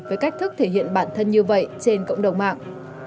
với cách thức thể hiện bản thân như vậy trên cộng đồng mạng